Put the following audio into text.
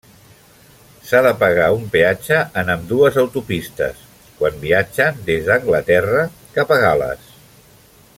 S'ha de pagar un peatge en ambdues autopistes, quan viatgen des d'Anglaterra cap a Gal·les.